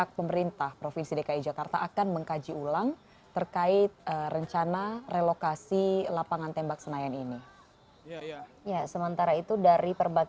ketiga tepung kamasuk